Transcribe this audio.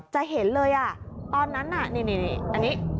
จะเห็นเลยอ่ะตอนนั้นน่ะนี่นี่นี่อันนี้